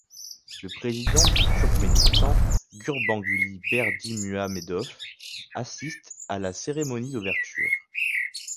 Le président du Turkménistan, Gurbanguly Berdimuhamedov assiste à la cérémonie d'ouverture.